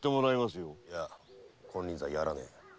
いや金輪際やらねえ。